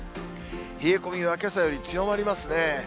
冷え込みはけさより強まりますね。